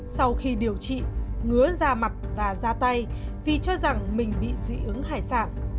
sau khi điều trị ngứa da mặt và ra tay vì cho rằng mình bị dị ứng hải sản